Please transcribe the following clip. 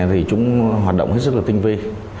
thì chúng hoạt động rất là tinh vi